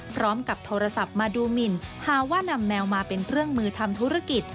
พร้อมกับโทรศัพท์มาดูหมินหาว่านำแมวมาเป็นเครื่องมือทำธุรกิจ